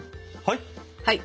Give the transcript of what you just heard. はい。